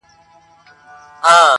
په شنو طوطیانو ښکلی ښکلی چنار!!